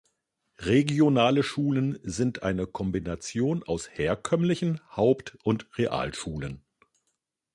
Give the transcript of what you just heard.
Regionale Schulen sind eine Kombination aus herkömmlichen Haupt- und Realschulen.